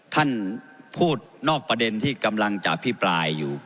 ท่านพูดนอกประเด็นที่กำลังจะอภิปรายอยู่